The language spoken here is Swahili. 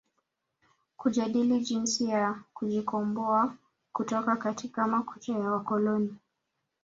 Kujadili jinsi ya kujikomboa kutoka katika makucha ya wakoloni